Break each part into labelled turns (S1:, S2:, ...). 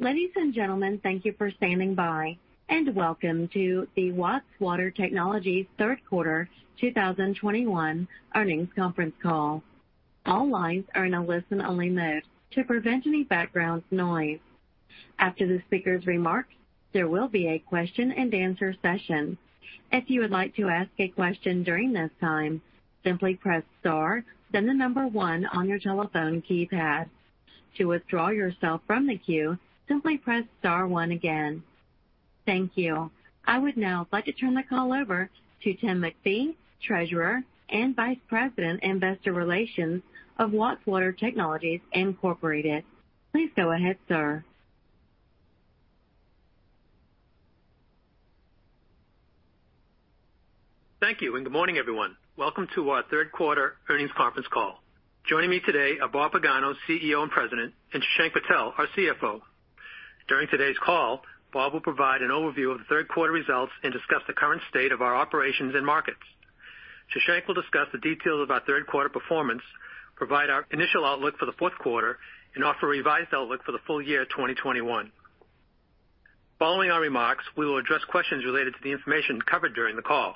S1: Ladies and gentlemen, thank you for standing by, and welcome to the Watts Water Technologies third quarter 2021 earnings conference call. All lines are in a listen-only mode to prevent any background noise. After the speaker's remarks, there will be a question and answer session. If you would like to ask a question during this time, simply press star, then the number one on your telephone keypad. To withdraw yourself from the queue, simply press star one again. Thank you. I would now like to turn the call over to Tim MacPhee, Treasurer and Vice President, Investor Relations of Watts Water Technologies, Incorporated. Please go ahead, sir.
S2: Thank you, and good morning, everyone. Welcome to our third quarter earnings conference call. Joining me today are Bob Pagano, CEO and President, and Shashank Patel, our CFO. During today's call, Bob will provide an overview of the third quarter results and discuss the current state of our operations and markets. Shashank will discuss the details of our third quarter performance, provide our initial outlook for the fourth quarter, and offer a revised outlook for the full year 2021. Following our remarks, we will address questions related to the information covered during the call.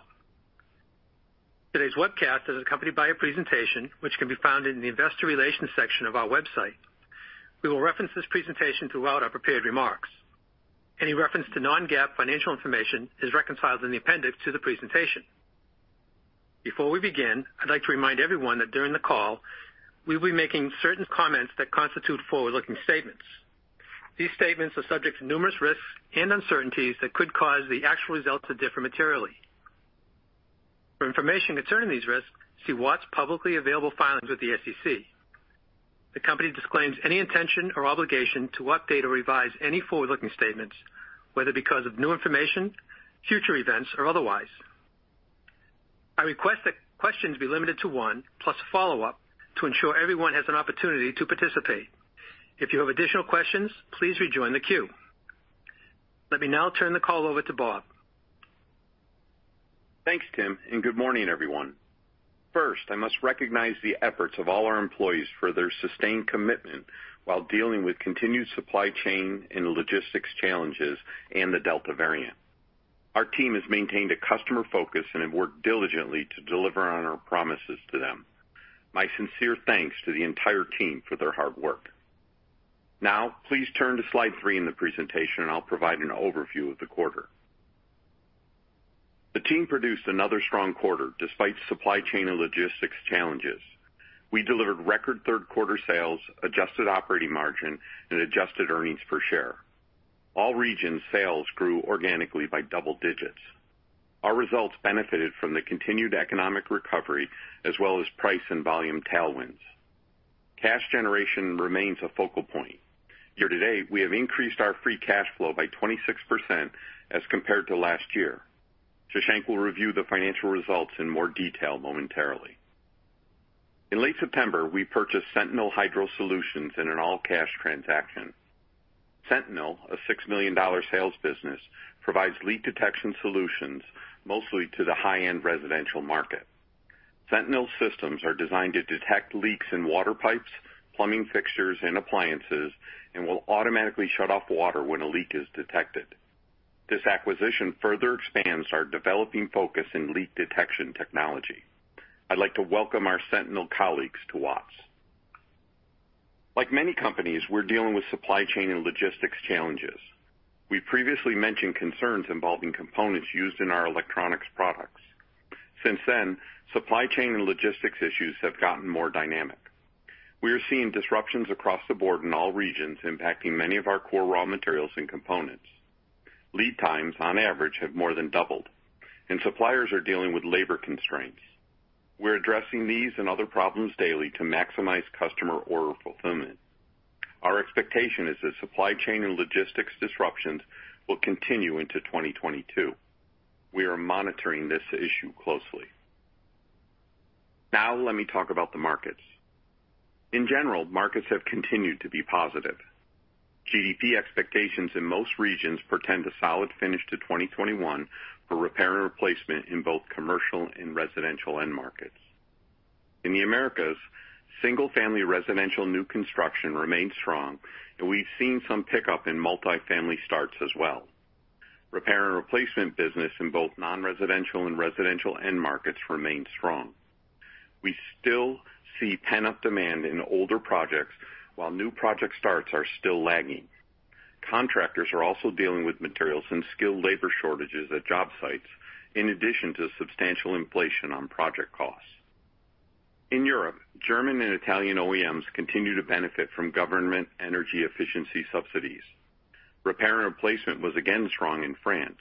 S2: Today's webcast is accompanied by a presentation which can be found in the Investor Relations section of our website. We will reference this presentation throughout our prepared remarks. Any reference to non-GAAP financial information is reconciled in the appendix to the presentation. Before we begin, I'd like to remind everyone that during the call, we'll be making certain comments that constitute forward-looking statements. These statements are subject to numerous risks and uncertainties that could cause the actual results to differ materially. For information concerning these risks, see Watts' publicly available filings with the SEC. The company disclaims any intention or obligation to update or revise any forward-looking statements, whether because of new information, future events, or otherwise. I request that questions be limited to one plus a follow-up to ensure everyone has an opportunity to participate. If you have additional questions, please rejoin the queue. Let me now turn the call over to Bob.
S3: Thanks, Tim, and good morning, everyone. First, I must recognize the efforts of all our employees for their sustained commitment while dealing with continued supply chain and logistics challenges and the Delta variant. Our team has maintained a customer focus and have worked diligently to deliver on our promises to them. My sincere thanks to the entire team for their hard work. Now, please turn to slide 3 in the presentation, and I'll provide an overview of the quarter. The team produced another strong quarter despite supply chain and logistics challenges. We delivered record third quarter sales, adjusted operating margin, and adjusted earnings per share. All regions sales grew organically by double digits. Our results benefited from the continued economic recovery as well as price and volume tailwinds. Cash generation remains a focal point. Year to date, we have increased our free cash flow by 26% as compared to last year. Shashank will review the financial results in more detail momentarily. In late September, we purchased Sentinel Hydrosolutions in an all-cash transaction. Sentinel, a $6 million sales business, provides leak detection solutions, mostly to the high-end residential market. Sentinel systems are designed to detect leaks in water pipes, plumbing fixtures, and appliances and will automatically shut off water when a leak is detected. This acquisition further expands our developing focus in leak detection technology. I'd like to welcome our Sentinel colleagues to Watts. Like many companies, we're dealing with supply chain and logistics challenges. We previously mentioned concerns involving components used in our electronics products. Since then, supply chain and logistics issues have gotten more dynamic. We are seeing disruptions across the board in all regions, impacting many of our core raw materials and components. Lead times, on average, have more than doubled, and suppliers are dealing with labor constraints. We're addressing these and other problems daily to maximize customer order fulfillment. Our expectation is that supply chain and logistics disruptions will continue into 2022. We are monitoring this issue closely. Now let me talk about the markets. In general, markets have continued to be positive. GDP expectations in most regions portend a solid finish to 2021 for repair and replacement in both commercial and residential end markets. In the Americas, single-family residential new construction remains strong, and we've seen some pickup in multifamily starts as well. Repair and replacement business in both non-residential and residential end markets remain strong. We still see pent-up demand in older projects, while new project starts are still lagging. Contractors are also dealing with materials and skilled labor shortages at job sites, in addition to substantial inflation on project costs. In Europe, German and Italian OEMs continue to benefit from government energy efficiency subsidies. Repair and replacement was again strong in France.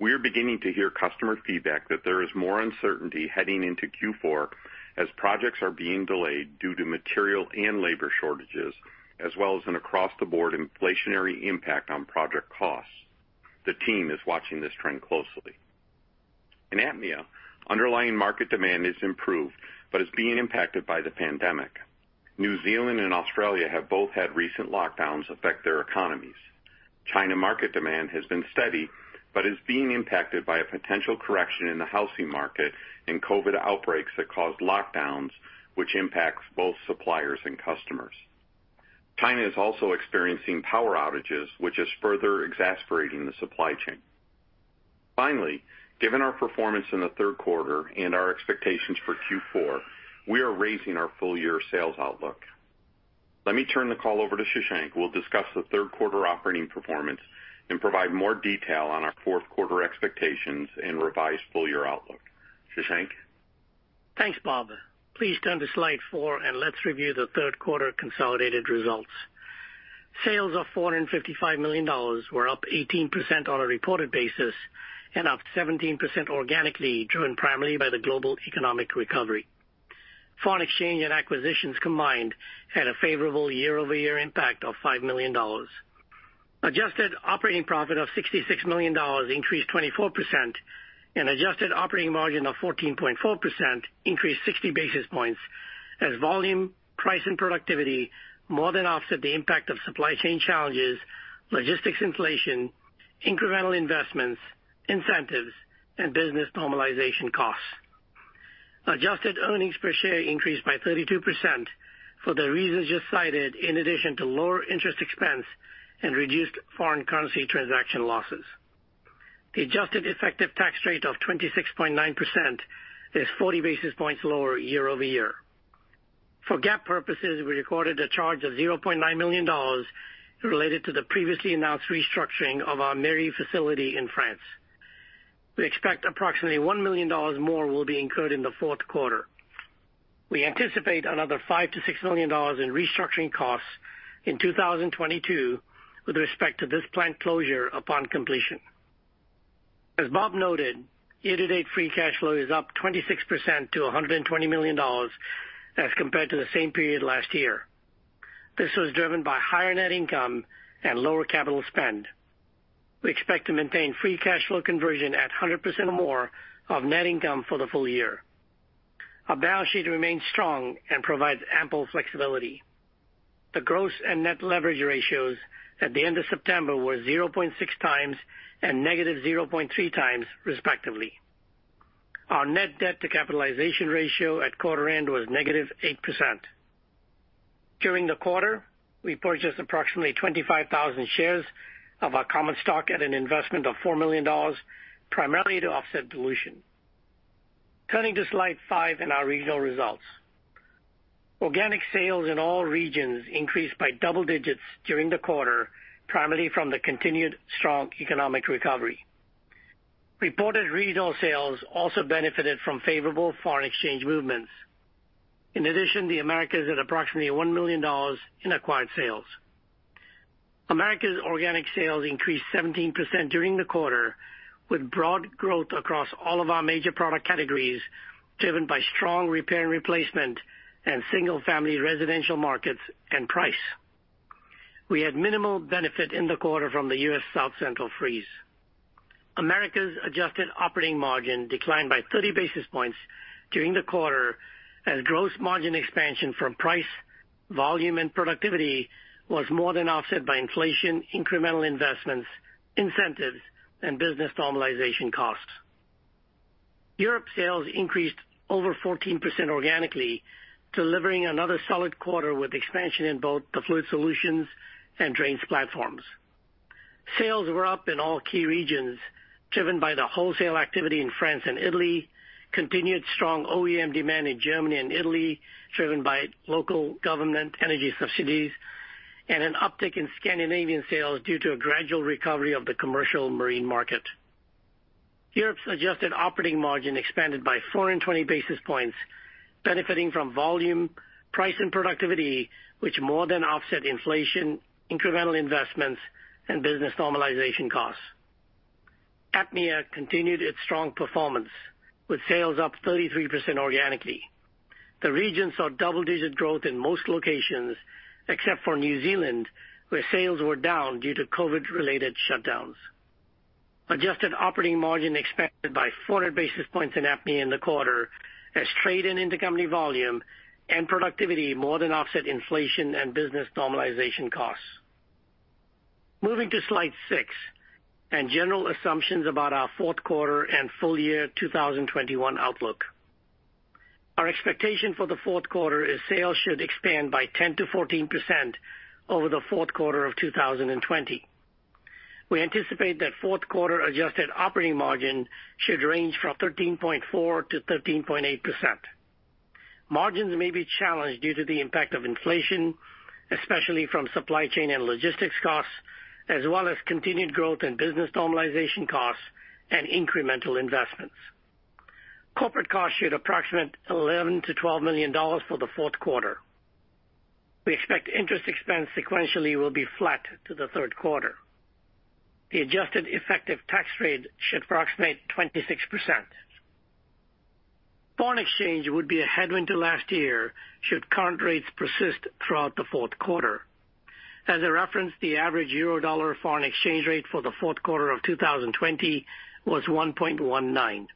S3: We are beginning to hear customer feedback that there is more uncertainty heading into Q4 as projects are being delayed due to material and labor shortages, as well as an across-the-board inflationary impact on project costs. The team is watching this trend closely. In APMEA, underlying market demand has improved but is being impacted by the pandemic. New Zealand and Australia have both had recent lockdowns affect their economies. China market demand has been steady, but is being impacted by a potential correction in the housing market and COVID outbreaks that cause lockdowns, which impacts both suppliers and customers. China is also experiencing power outages, which is further exacerbating the supply chain. Finally, given our performance in the third quarter and our expectations for Q4, we are raising our full year sales outlook. Let me turn the call over to Shashank, who will discuss the third quarter operating performance and provide more detail on our fourth quarter expectations and revised full year outlook. Shashank?
S4: Thanks, Bob. Please turn to slide 4, and let's review the third quarter consolidated results. Sales of $455 million were up 18% on a reported basis, and up 17% organically, driven primarily by the global economic recovery. Foreign exchange and acquisitions combined had a favorable year-over-year impact of $5 million. Adjusted operating profit of $66 million increased 24% and adjusted operating margin of 14.4% increased 60 basis points as volume, price, and productivity more than offset the impact of supply chain challenges, logistics inflation, incremental investments, incentives, and business normalization costs. Adjusted earnings per share increased by 32% for the reasons just cited, in addition to lower interest expense and reduced foreign currency transaction losses. The adjusted effective tax rate of 26.9% is 40 basis points lower year-over-year. For GAAP purposes, we recorded a charge of $0.9 million related to the previously announced restructuring of our Mery facility in France. We expect approximately $1 million more will be incurred in the fourth quarter. We anticipate another $5 million-$6 million in restructuring costs in 2022 with respect to this plant closure upon completion. As Bob noted, year-to-date free cash flow is up 26% to $120 million as compared to the same period last year. This was driven by higher net income and lower capital spend. We expect to maintain free cash flow conversion at 100% or more of net income for the full year. Our balance sheet remains strong and provides ample flexibility. The gross and net leverage ratios at the end of September were 0.6x and -0.3x, respectively. Our net debt to capitalization ratio at quarter end was -8%. During the quarter, we purchased approximately 25,000 shares of our common stock at an investment of $4 million, primarily to offset dilution. Turning to slide 5 and our regional results. Organic sales in all regions increased by double digits during the quarter, primarily from the continued strong economic recovery. Reported regional sales also benefited from favorable foreign exchange movements. In addition, the Americas had approximately $1 million in acquired sales. Americas' organic sales increased 17% during the quarter, with broad growth across all of our major product categories, driven by strong repair and replacement and single family residential markets and price. We had minimal benefit in the quarter from the U.S. South Central freeze. Americas' adjusted operating margin declined by 30 basis points during the quarter, as gross margin expansion from price, volume, and productivity was more than offset by inflation, incremental investments, incentives, and business normalization costs. Europe sales increased over 14% organically, delivering another solid quarter with expansion in both the fluid solutions and drains platforms. Sales were up in all key regions, driven by the wholesale activity in France and Italy, continued strong OEM demand in Germany and Italy, driven by local government energy subsidies, and an uptick in Scandinavian sales due to a gradual recovery of the commercial marine market. Europe's adjusted operating margin expanded by 24 basis points, benefiting from volume, price, and productivity, which more than offset inflation, incremental investments, and business normalization costs. APMEA continued its strong performance, with sales up 33% organically. The region saw double-digit growth in most locations, except for New Zealand, where sales were down due to COVID-related shutdowns. Adjusted operating margin expanded by 400 basis points in APMEA in the quarter, as trade and intercompany volume and productivity more than offset inflation and business normalization costs. Moving to slide 6, and general assumptions about our fourth quarter and full year 2021 outlook. Our expectation for the fourth quarter is sales should expand by 10%-14% over the fourth quarter of 2020. We anticipate that fourth quarter adjusted operating margin should range from 13.4%-13.8%. Margins may be challenged due to the impact of inflation, especially from supply chain and logistics costs, as well as continued growth in business normalization costs and incremental investments. Corporate costs should approximate $11 million-$12 million for the fourth quarter. We expect interest expense sequentially will be flat to the third quarter. The adjusted effective tax rate should approximate 26%. Foreign exchange would be a headwind to last year should current rates persist throughout the fourth quarter. As a reference, the average euro dollar foreign exchange rate for the fourth quarter of 2020 was 1.19.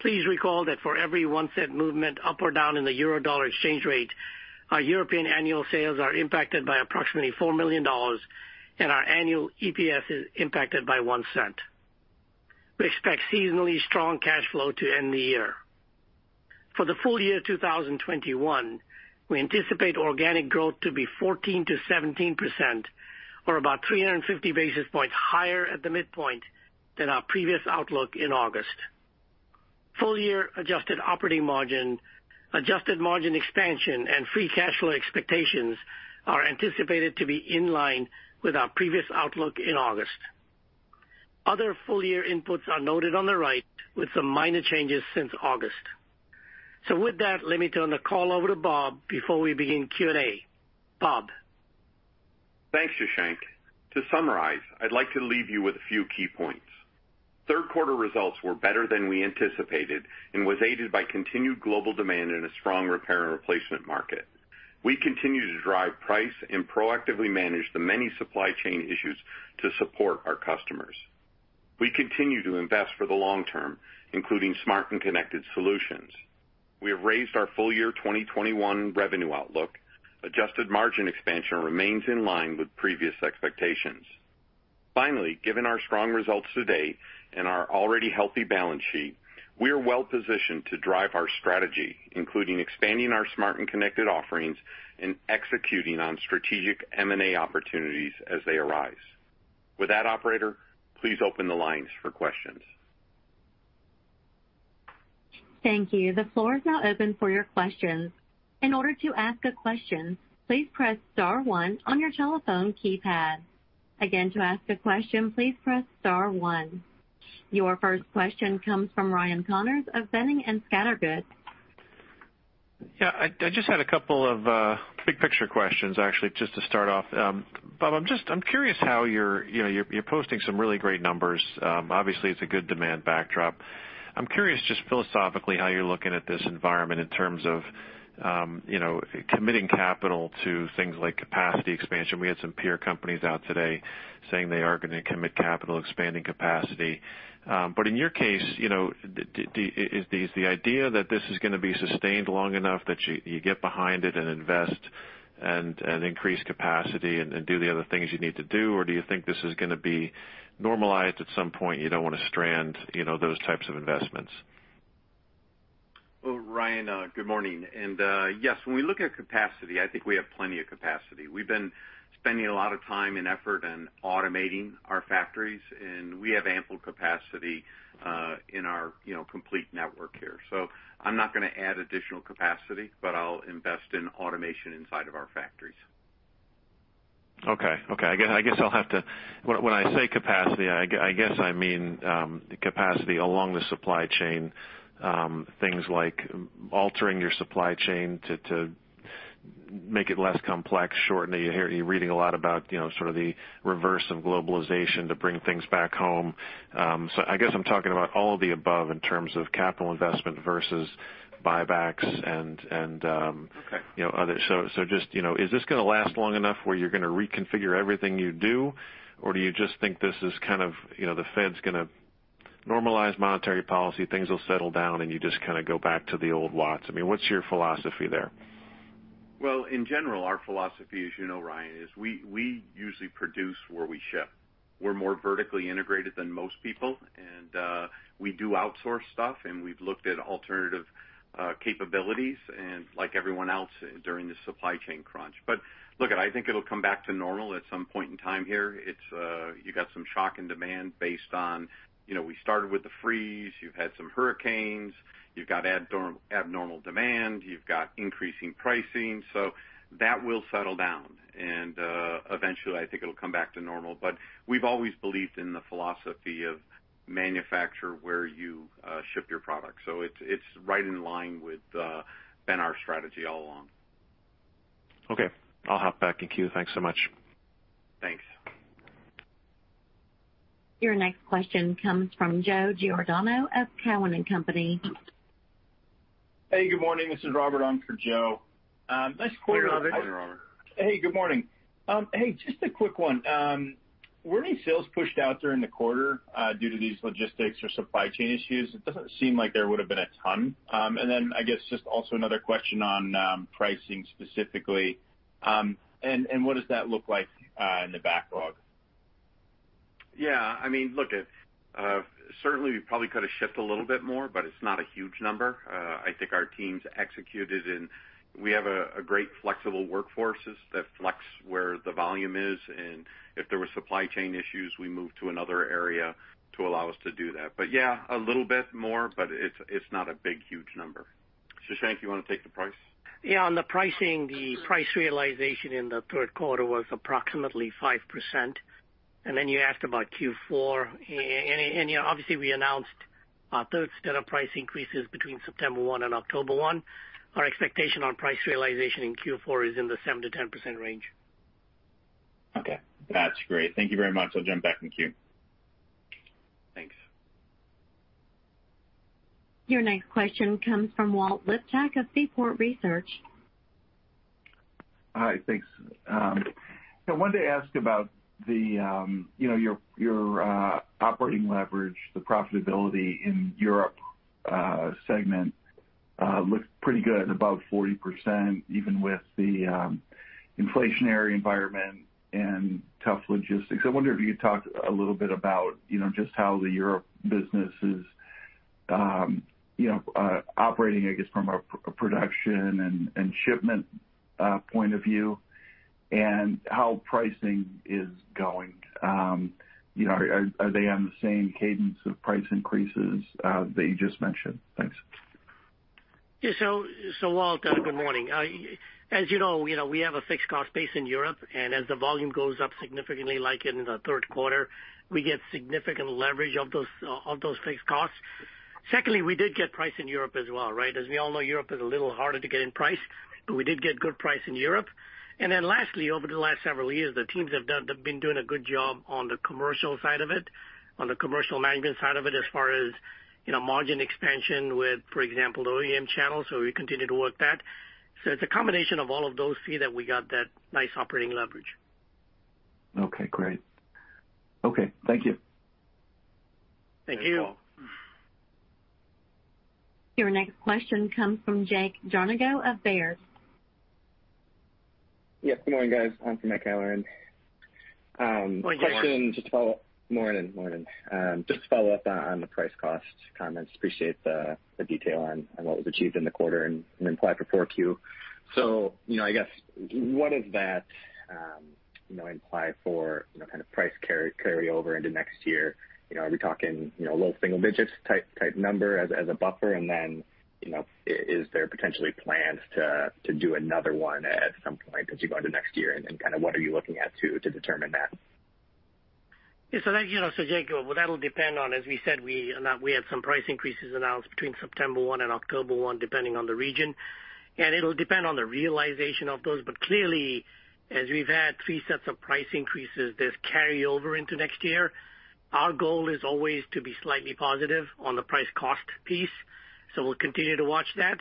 S4: Please recall that for every 1-cent movement up or down in the euro dollar exchange rate, our European annual sales are impacted by approximately $4 million, and our annual EPS is impacted by 1 cent. We expect seasonally strong cash flow to end the year. For the full year 2021, we anticipate organic growth to be 14%-17%, or about 350 basis points higher at the midpoint than our previous outlook in August. Full year adjusted operating margin, adjusted margin expansion, and free cash flow expectations are anticipated to be in line with our previous outlook in August. Other full year inputs are noted on the right, with some minor changes since August. With that, let me turn the call over to Bob before we begin Q&A. Bob?
S3: Thanks, Shashank. To summarize, I'd like to leave you with a few key points. Third quarter results were better than we anticipated and was aided by continued global demand and a strong repair and replacement market. We continue to drive price and proactively manage the many supply chain issues to support our customers. We continue to invest for the long term, including smart and connected solutions. We have raised our full year 2021 revenue outlook. Adjusted margin expansion remains in line with previous expectations. Finally, given our strong results to date and our already healthy balance sheet, we are well positioned to drive our strategy, including expanding our smart and connected offerings and executing on strategic M&A opportunities as they arise. With that, operator, please open the lines for questions.
S1: Thank you. The floor is now open for your questions. In order to ask a question, please press star one on your telephone keypad. Again, to ask a question, please press star one. Your first question comes from Ryan Connors of Boenning & Scattergood.
S5: Yeah, I just had a couple of big picture questions, actually, just to start off. Bob, I'm just- I'm curious how you're, you know, posting some really great numbers. Obviously, it's a good demand backdrop. I'm curious just philosophically, how you're looking at this environment in terms of, you know, committing capital to things like capacity expansion. We had some peer companies out today saying they are gonna commit capital expanding capacity. But in your case, you know, is the idea that this is gonna be sustained long enough that you get behind it and invest and increase capacity and do the other things you need to do? Or do you think this is gonna be normalized at some point, you don't want to strand, you know, those types of investments?
S3: Well, Ryan, good morning. And, yes, when we look at capacity, I think we have plenty of capacity. We've been spending a lot of time and effort in automating our factories, and we have ample capacity, in our, you know, complete network here. So I'm not gonna add additional capacity, but I'll invest in automation inside of our factories.
S5: Okay. I guess I'll have to... When I say capacity, I guess I mean capacity along the supply chain. Things like altering your supply chain to make it less complex, shorten it. You're reading a lot about, you know, sort of the reverse of globalization to bring things back home. So I guess I'm talking about all of the above in terms of capital investment versus buybacks and,
S3: Okay.
S5: You know, other. So, so just, you know, is this gonna last long enough where you're gonna reconfigure everything you do? Or do you just think this is kind of, you know, the Fed's gonna normalize monetary policy, things will settle down, and you just kind of go back to the old lots? I mean, what's your philosophy there?
S3: Well, in general, our philosophy, as you know, Ryan, is we usually produce where we ship. We're more vertically integrated than most people, and we do outsource stuff, and we've looked at alternative capabilities and like everyone else during this supply chain crunch. But look, I think it'll come back to normal at some point in time here. It's you got some shock and demand based on, you know, we started with the freeze, you've had some hurricanes, you've got abnormal demand, you've got increasing pricing. So that will settle down, and eventually, I think it'll come back to normal. But we've always believed in the philosophy of manufacture where you ship your product. So it's right in line with been our strategy all along.
S5: Okay. I'll hop back in queue. Thanks so much.
S3: Thanks.
S1: Your next question comes from Joe Giordano of Cowen and Company.
S6: Hey, good morning. This is Robert on for Joe. Nice quarter.
S3: Hey, Robert.
S6: Hey, good morning. Hey, just a quick one. Were any sales pushed out during the quarter due to these logistics or supply chain issues? It doesn't seem like there would have been a ton. And then, I guess, just also another question on pricing specifically. And what does that look like in the backlog?
S3: Yeah, I mean, look, certainly we probably could have shipped a little bit more, but it's not a huge number. I think our teams executed and we have a great flexible workforces that flex where the volume is, and if there were supply chain issues, we moved to another area to allow us to do that. But yeah, a little bit more, but it's not a big, huge number. Shashank, you want to take the price?
S4: Yeah, on the pricing, the price realization in the third quarter was approximately 5%. And then you asked about Q4, and, you know, obviously, we announced our third set of price increases between September 1 and October 1. Our expectation on price realization in Q4 is in the 7%-10% range.
S6: Okay. That's great. Thank you very much. I'll jump back in the queue.
S3: Thanks.
S1: Your next question comes from Walt Liptak of Seaport Research.
S7: Hi, thanks. I wanted to ask about the, you know, your, your, operating leverage, the profitability in Europe segment looked pretty good, about 40%, even with the, inflationary environment and tough logistics. I wonder if you could talk a little bit about, you know, just how the Europe business is, you know, operating, I guess, from a production and shipment point of view, and how pricing is going. You know, are they on the same cadence of price increases that you just mentioned? Thanks.
S4: Yeah, so, so Walt, good morning. As you know, you know, we have a fixed cost base in Europe, and as the volume goes up significantly, like in the third quarter, we get significant leverage of those, of those fixed costs. Secondly, we did get price in Europe as well, right? As we all know, Europe is a little harder to get in price, but we did get good price in Europe. And then lastly, over the last several years, the teams have been doing a good job on the commercial side of it, on the commercial management side of it, as far as, you know, margin expansion with, for example, the OEM channel. So we continue to work that. So it's a combination of all of those three that we got that nice operating leverage.
S7: Okay, great. Okay, thank you.
S4: Thank you.
S1: Your next question comes from Jake Jarnagin of Baird.
S8: Yeah, good morning, guys. I'm from Mike Halloran.
S4: Good morning.
S8: Follow up on the price cost comments. Morning, morning. Just to follow up on the price cost comments, appreciate the detail on what was achieved in the quarter and imply for 4Q. So, you know, I guess what does that imply for kind of price carryover into next year? You know, are we talking low single digits type number as a buffer? And then, is there potentially plans to do another one at some point as you go into next year? And then kind of what are you looking at to determine that?
S4: Yeah, so that, you know, so Jake, well, that'll depend on, as we said, we had some price increases announced between September 1 and October 1, depending on the region. It'll depend on the realization of those. But clearly, as we've had 3 sets of price increases, there's carryover into next year. Our goal is always to be slightly positive on the price cost piece, so we'll continue to watch that.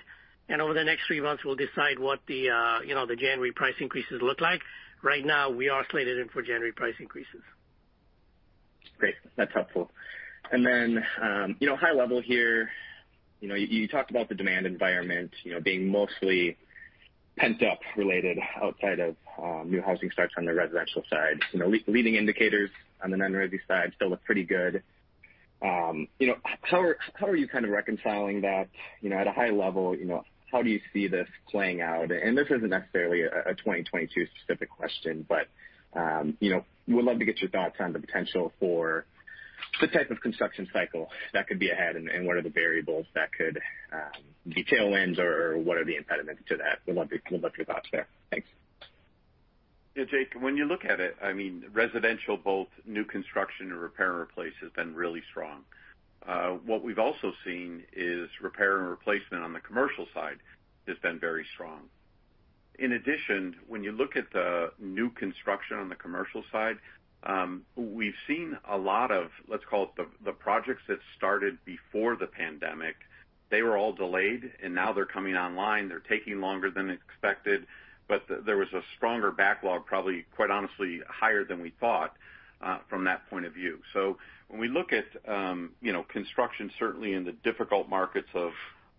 S4: And over the next 3 months, we'll decide what the, you know, the January price increases look like. Right now, we are slated in for January price increases.
S8: Great. That's helpful. And then, you know, high level here, you know, you talked about the demand environment, you know, being mostly pent up related outside of new housing starts on the residential side. You know, leading indicators on the non-resi side still look pretty good. You know, how are, how are you kind of reconciling that? You know, at a high level, you know, how do you see this playing out? And this isn't necessarily a 2022 specific question, but, you know, we would love to get your thoughts on the potential for the type of construction cycle that could be ahead, and, and what are the variables that could be tailwinds or, or what are the impediments to that? We'd love to, we'd love your thoughts there. Thanks.
S3: Yeah, Jake, when you look at it, I mean, residential, both new construction and repair and replace, has been really strong. What we've also seen is repair and replacement on the commercial side has been very strong. In addition, when you look at the new construction on the commercial side, we've seen a lot of, let's call it the, the projects that started before the pandemic. They were all delayed, and now they're coming online. They're taking longer than expected, but there was a stronger backlog, probably, quite honestly, higher than we thought, from that point of view. So when we look at, you know, construction, certainly in the difficult markets of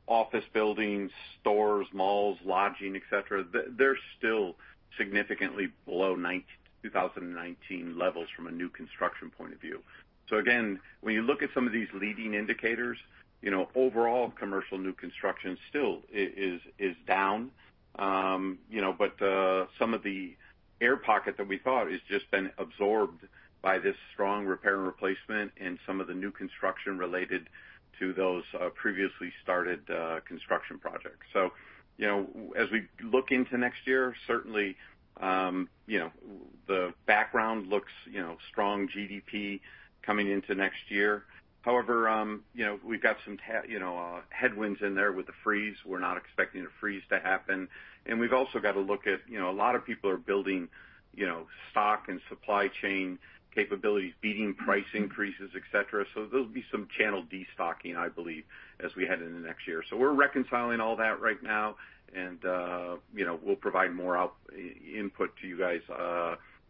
S3: office buildings, stores, malls, lodging, et cetera, they're still significantly below 2019 levels from a new construction point of view. So again, when you look at some of these leading indicators, you know, overall commercial new construction still is down. You know, but some of the air pocket that we thought has just been absorbed by this strong repair and replacement and some of the new construction related to those, previously started, construction projects. So, you know, as we look into next year, certainly, you know, the background looks, you know, strong GDP coming into next year. However, you know, we've got some headwinds in there with the freeze. We're not expecting a freeze to happen. And we've also got to look at, you know, a lot of people are building, you know, stock and supply chain capabilities, beating price increases, et cetera. So there'll be some channel destocking, I believe, as we head into next year. So we're reconciling all that right now, and, you know, we'll provide more input to you guys,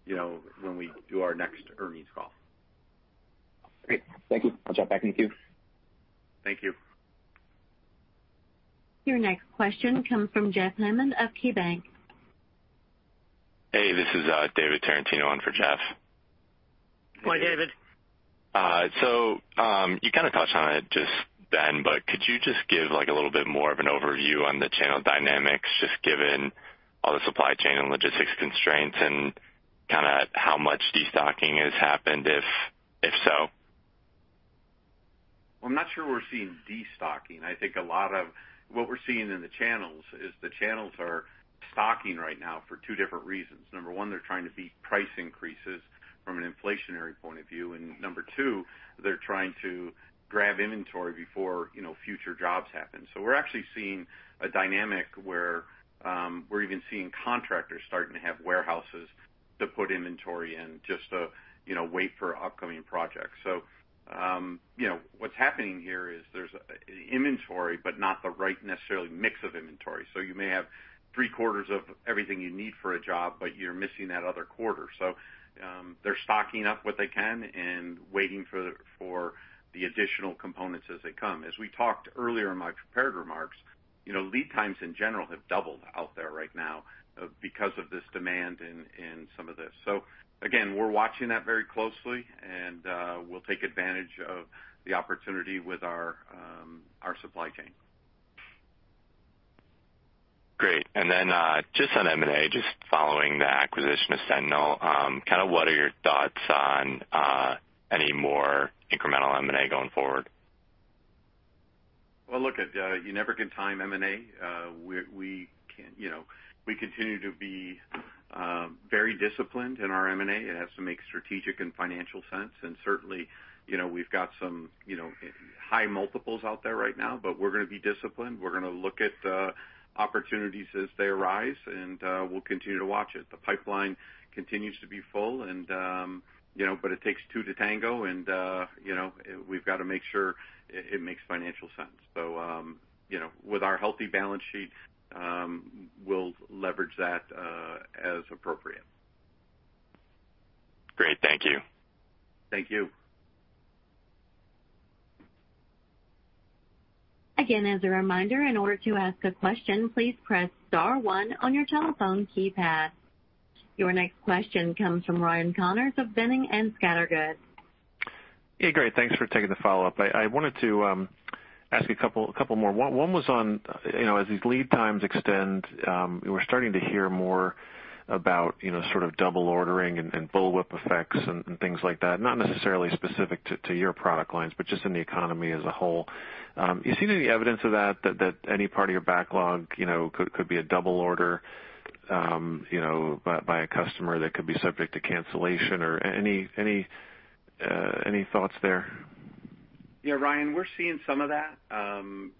S3: you know, when we do our next earnings call.
S8: Great. Thank you. I'll drop back in the queue.
S3: Thank you.
S1: Your next question comes from Jeff Hammond of KeyBanc.
S9: Hey, this is, David Tarantino on for Jeff.
S3: Hi, David.
S9: So, you kind of touched on it just then, but could you just give, like, a little bit more of an overview on the channel dynamics, just given all the supply chain and logistics constraints and kinda how much destocking has happened, if so?
S3: I'm not sure we're seeing destocking. I think a lot of what we're seeing in the channels is the channels are stocking right now for 2 different reasons. Number 1, they're trying to beat price increases from an inflationary point of view. Number 2, they're trying to grab inventory before, you know, future jobs happen. So we're actually seeing a dynamic where, we're even seeing contractors starting to have warehouses to put inventory in, just to, you know, wait for upcoming projects. So, you know, what's happening here is there's inventory, but not the right necessarily mix of inventory. So you may have three quarters of everything you need for a job, but you're missing that other quarter. So, they're stocking up what they can and waiting for the additional components as they come. As we talked earlier in my prepared remarks, you know, lead times in general have doubled out there right now, because of this demand and some of this. So again, we're watching that very closely, and we'll take advantage of the opportunity with our supply chain.
S9: Great. And then, just on M&A, just following the acquisition of Sentinel, kind of what are your thoughts on any more incremental M&A going forward?
S3: Well, look, you never can time M&A. We, you know, we continue to be very disciplined in our M&A. It has to make strategic and financial sense, and certainly, you know, we've got some, you know, high multiples out there right now, but we're gonna be disciplined. We're gonna look at opportunities as they arise, and we'll continue to watch it. The pipeline continues to be full and, you know, but it takes two to tango, and, you know, we've got to make sure it makes financial sense. So, you know, with our healthy balance sheet, we'll leverage that as appropriate.
S9: Great. Thank you.
S3: Thank you.
S1: Again, as a reminder, in order to ask a question, please press star one on your telephone keypad. Your next question comes from Ryan Connors of Boenning & Scattergood.
S5: Hey, great. Thanks for taking the follow-up. I wanted to ask a couple more. One was on, you know, as these lead times extend, we're starting to hear more about, you know, sort of double ordering and bullwhip effects and things like that, not necessarily specific to your product lines, but just in the economy as a whole. You seen any evidence of that any part of your backlog, you know, could be a double order, you know, by a customer that could be subject to cancellation or any thoughts there?
S3: Yeah, Ryan, we're seeing some of that.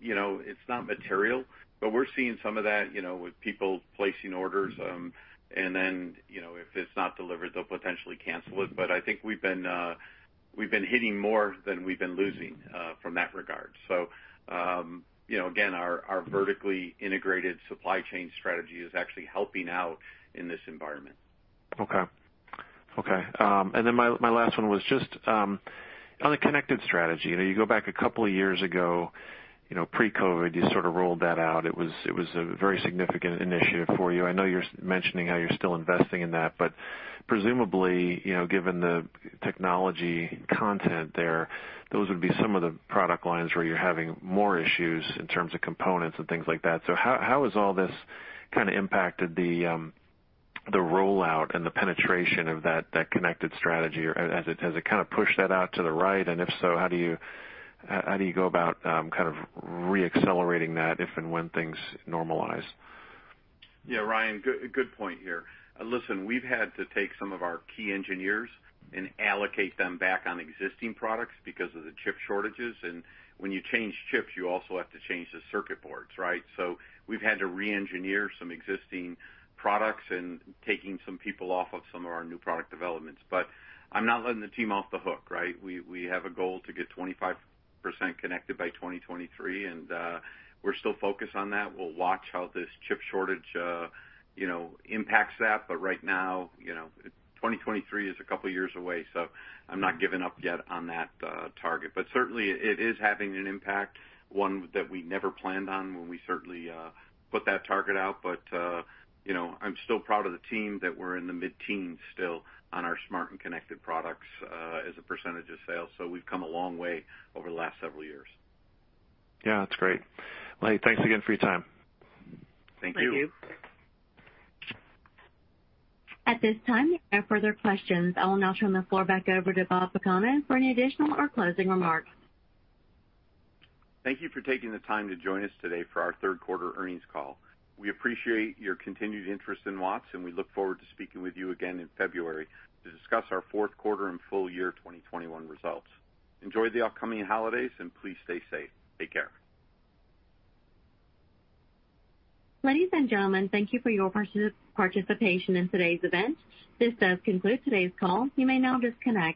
S3: You know, it's not material, but we're seeing some of that, you know, with people placing orders. And then, you know, if it's not delivered, they'll potentially cancel it. But I think we've been, we've been hitting more than we've been losing, from that regard. So, you know, again, our, our vertically integrated supply chain strategy is actually helping out in this environment.
S5: Okay. Okay, and then my, my last one was just, on the connected strategy. You know, you go back a couple of years ago, you know, pre-COVID, you sort of rolled that out. It was, it was a very significant initiative for you. I know you're mentioning how you're still investing in that, but presumably, you know, given the technology content there, those would be some of the product lines where you're having more issues in terms of components and things like that. So how, how has all this kind of impacted the, the rollout and the penetration of that, that connected strategy? Or has it, has it kind of pushed that out to the right? And if so, how do you, how do you go about, kind of reaccelerating that if and when things normalize?
S3: Yeah, Ryan, good, good point here. Listen, we've had to take some of our key engineers and allocate them back on existing products because of the chip shortages. And when you change chips, you also have to change the circuit boards, right? So we've had to reengineer some existing products and taking some people off of some of our new product developments. But I'm not letting the team off the hook, right? We, we have a goal to get 25% connected by 2023, and, we're still focused on that. We'll watch how this chip shortage, you know, impacts that. But right now, you know, 2023 is a couple of years away, so I'm not giving up yet on that, target. But certainly, it is having an impact, one that we never planned on when we certainly put that target out. But, you know, I'm still proud of the team that we're in the mid-teens still on our smart and connected products, as a percentage of sales. So we've come a long way over the last several years.
S5: Yeah, that's great. Thanks again for your time.
S3: Thank you.
S1: At this time, there are no further questions. I'll now turn the floor back over to Bob Pagano for any additional or closing remarks.
S3: Thank you for taking the time to join us today for our third quarter earnings call. We appreciate your continued interest in Watts, and we look forward to speaking with you again in February to discuss our fourth quarter and full year 2021 results. Enjoy the upcoming holidays, and please stay safe. Take care.
S1: Ladies and gentlemen, thank you for your participation in today's event. This does conclude today's call. You may now disconnect.